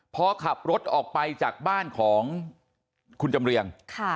พอขับรถออกไปจากบ้านของคุณจำเรียง